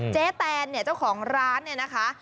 แตนเนี่ยเจ้าของร้านเนี่ยนะคะ